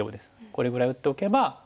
これぐらい打っておけば。